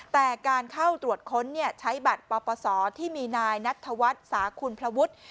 แต่การเข้าตรวจค้นใช้บัตรปปศที่มีนายนัทธวัฒน์สาคุณพระวุฒิ